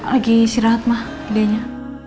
lagi si ratma dia nya